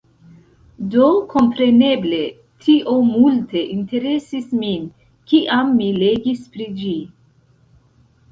Do kompreneble, tio multe interesis min, kiam mi legis pri ĝi.